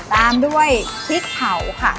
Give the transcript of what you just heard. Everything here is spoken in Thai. ตามด้วยพริกเผาค่ะ